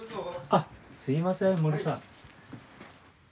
あっすいません森さん。